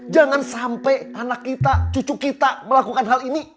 jangan sampai anak kita cucu kita melakukan hal ini